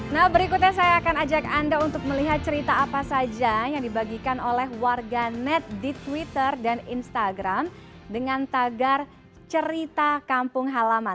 nah berikutnya saya akan ajak anda untuk melihat cerita apa saja yang dibagikan oleh warga net di twitter dan instagram dengan tagar cerita kampung halaman